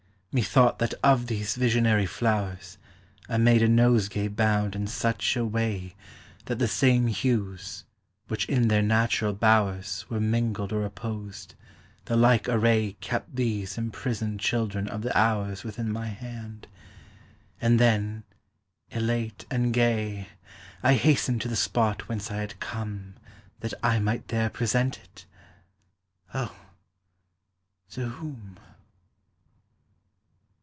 Methonght that of these visionary flowers I made a nosegay bound in such a way V — 18 274 POEMS OF NATURE. That the same hues, which in their natural bowers Were mingled or opposed, the like array Kept these imprisoned children of the Hours Within my hand, — and then, elate and gay, I hastened to the spot whence I had come, That I might there present it! — oh! to whom?